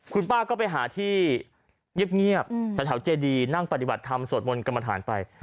คุณป้าก็ไปหาที่เงียบแถวเจดีนั่งปฏิบัติธรรมสวดมนต์กรรมฐานไป